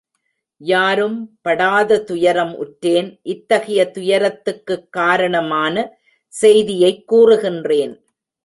யாரும் படாத துயரம் உற்றேன் இத்தகைய துயரத்துக்குக் காரணமான செய்தியைக் கூறுகின்றேன்.